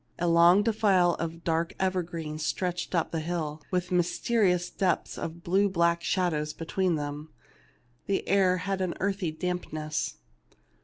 A long defile of dark evergreens stretched up the hill, with mysterious depths of blue black shadows be tween them ; the air had an earthy dampness.